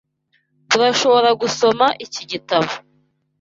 Turashoboragusoma iki gitabo.